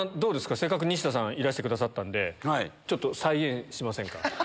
せっかく西田さん、いらしてくださったんで、ちょっと再現しませんか？